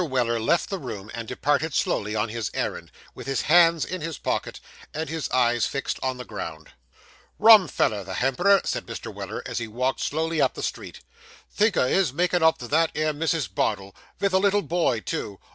Weller left the room, and departed slowly on his errand, with his hands in his pocket and his eyes fixed on the ground. 'Rum feller, the hemperor,' said Mr. Weller, as he walked slowly up the street. 'Think o' his makin' up to that 'ere Mrs. Bardell vith a little boy, too!